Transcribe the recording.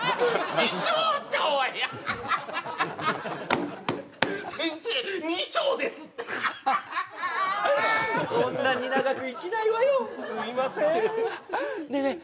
二生っておいアハハハ先生二生ですってハハハハそんなに長く生きないわよすいませんねえねえ